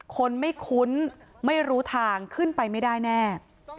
คนไม่คุ้นไม่รู้ทางขึ้นไปไม่ได้แน่